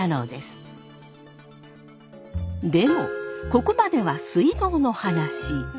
でもここまでは水道の話。